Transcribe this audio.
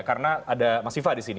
karena ada mas siva disini